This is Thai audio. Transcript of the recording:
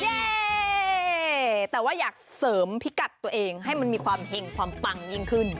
แต่ว่าอยากเสริมพิกัดตัวเองให้มันมีความเห็งความปังยิ่งขึ้น